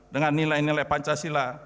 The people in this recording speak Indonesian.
dengan nilai nilai pancasila